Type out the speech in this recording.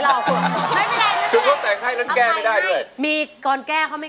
รู้สึกอิจฉาคุณแอมที่ได้คุณฝนแต่งกรณ์ให้